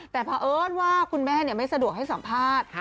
แต่เผอิญว่าคุณแม่เนี่ยไม่สะดวกให้สัมภาษณ์